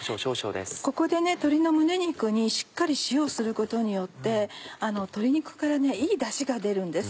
ここで鶏の胸肉にしっかり塩をすることによって鶏肉からいいダシが出るんです。